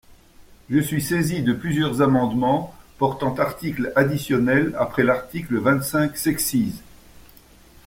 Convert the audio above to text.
Je suis saisi de plusieurs amendements portant article additionnel après l’article vingt-cinq sexies.